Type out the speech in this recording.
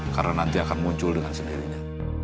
karena nanti akan muncul dengan sendirinya